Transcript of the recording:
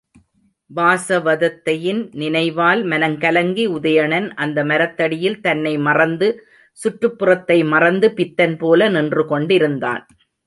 வாசவதத்தையின் நினைவால் மனங்கலங்கி உதயணன் அந்த மரத்தடியில் தன்னை மறந்து, சுற்றுப்புறத்தை மறந்து பித்தன் போல நின்று கொண்டிருந்தான்.